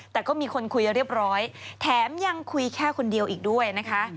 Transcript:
แต่ก็มีคนคุยเรียบร้อยแถมยังคุยแค่คนเดียวอีกด้วยนะคะ